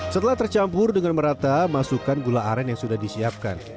setelah tercampur dengan merata masukkan gula aren yang sudah disiapkan